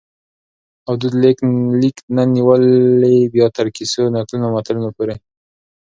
او دود لیک نه نیولي بیا تر کیسو ، نکلو او متلونو پوري